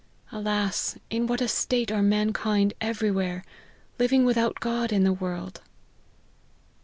Alas ! in what a state are mankind every where living without God in the world."